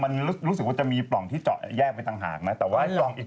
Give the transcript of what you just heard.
ตรงหาดพัทยาได้อีก